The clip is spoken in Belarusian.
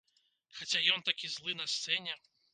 Хаця ён такі злы на сцэне.